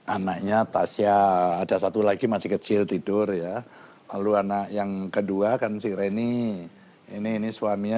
anaknya tasya ada satu lagi masih kecil tidur ya lalu anak yang kedua kan si reni ini ini suaminya